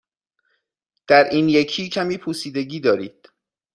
در این یکی کمی پوسیدگی دارید.